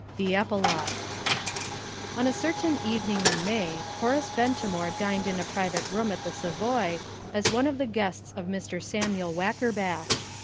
THE EPILOGUE On a certain evening in May Horace Ventimore dined in a private room at the Savoy, as one of the guests of Mr. Samuel Wackerbath.